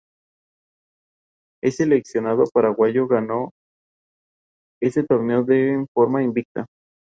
En la región se elaboran aceites vegetales, confites, artículos de harina y conservas.